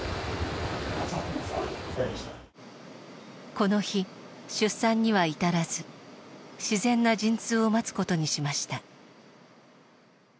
この日出産には至らず自然な陣痛を待つことにしました。